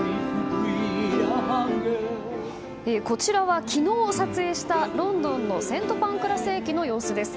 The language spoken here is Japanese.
こちらは昨日撮影したロンドンのセントパンクラス駅の様子です。